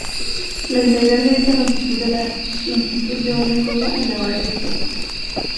La integral de esta longitud da la longitud de una curva en la variedad.